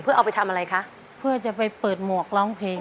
คุณยายแดงคะทำไมต้องซื้อลำโพงและเครื่องเสียง